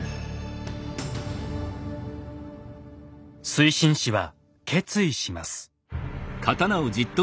水心子は決意します。